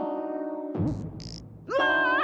うわ！